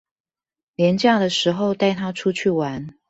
連假的時候帶他出去玩